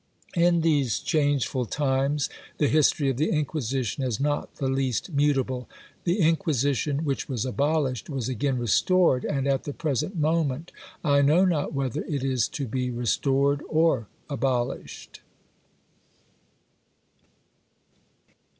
In these changeful times, the history of the Inquisition is not the least mutable. The Inquisition, which was abolished, was again restored and at the present moment, I know not whether it is to be restored or abolished.